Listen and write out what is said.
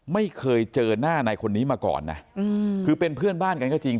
ไม่เคยเจอหน้าในคนนี้มาก่อนนะคือเป็นเพื่อนบ้านกันก็จริง